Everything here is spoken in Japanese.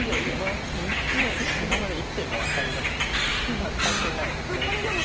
今まで一手も当たってないです